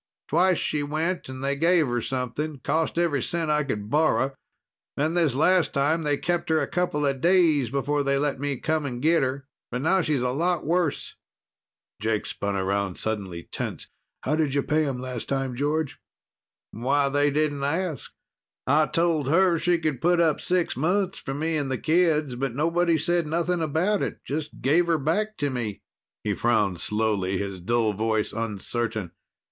Twice she went and they gave her something. Cost every cent I could borrow. Then this last time, they kept her a couple days before they let me come and get her. But now she's a lot worse." Jake spun about, suddenly tense. "How'd you pay them last time, George?" "Why, they didn't ask. I told her she could put up six months from me and the kids, but nobody said nothing about it. Just gave her back to me." He frowned slowly, his dull voice uncertain.